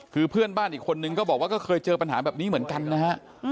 คือเพื่อนบ้านอีกคนนึงก็บอกว่าก็เคยเจอปัญหาแบบนี้เหมือนกันนะฮะ